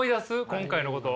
今回のことを。